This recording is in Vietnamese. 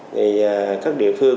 thì các địa phương